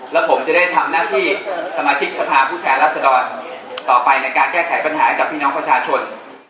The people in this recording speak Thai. แล้วผมจะได้ทำหน้าที่สมาชิกสภาพผู้แทนรัศดรต่อไปในการแก้ไขปัญหาให้กับพี่น้องประชาชน